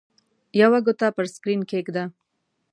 یوه ګوته پر سکرین کېږده.